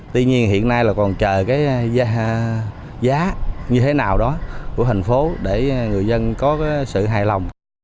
tuy nhiên hiện nay là còn chờ cái giá như thế nào đó của thành phố để người dân có cái sự hài lòng